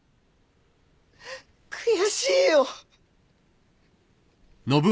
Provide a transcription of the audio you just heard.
悔しいよ。